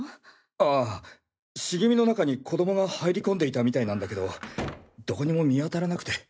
あぁ茂みの中に子供が入り込んでいたみたいなんだけどどこにも見当たらなくて。